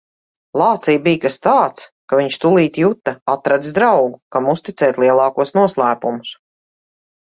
Lācī bija kas tāds, ka viņš tūlīt juta - atradis draugu, kam uzticēt lielākos noslēpumus.